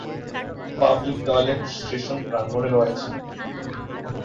Public toilet station প্রাঙ্গনে রয়েছে।